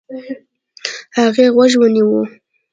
هغې غوږ ونيو.